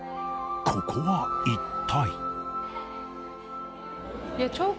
ここは一体？